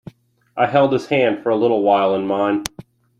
I held his hand for a little while in mine.